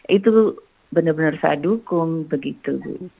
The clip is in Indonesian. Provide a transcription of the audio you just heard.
itu benar benar saya dukung begitu